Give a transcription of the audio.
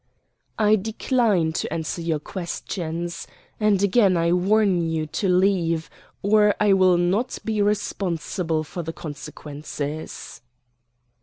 "I decline to answer your questions. And again I warn you to leave, or I will not be responsible for the consequences."